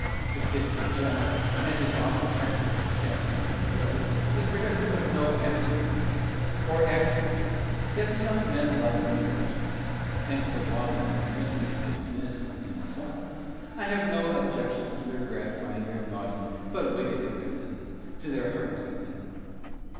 To kiss in jest, as is often practised by chaps among the girls, is productive of no absolute harm or actual good yet the young men love to indulge in it; and so long as the amusement is innocent in itself, I have no objections to their gratifying their naughty but wicked propensities to their heart's content.